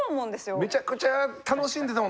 めちゃくちゃ楽しんでたもんな。